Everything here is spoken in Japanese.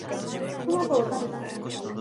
トマトを食べた。